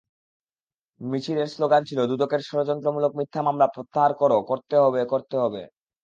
মিছিলের স্লোগান ছিল দুদকের ষড়যন্ত্রমূলক মিথ্যা মামলা প্রত্যাহার কর, করতে করতে হবে।